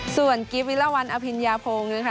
ส่วนกิฟต์วิลวันอภิญญาพงศ์นะคะ